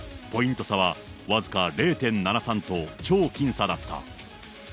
ポイント差は僅か０．７３と、超僅差だった。